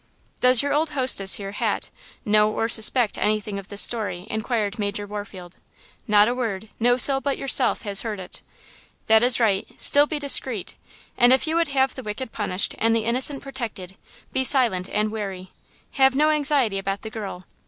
"Does your old hostess here, Hat, know or suspect anything of this story?" inquired Major Warfield. "Not a word! No soul but yourself has heard it!" "That is right! Still be discreet! If you would have the wicked punished and the innocent protected, be silent and wary. Have no anxiety about the girl.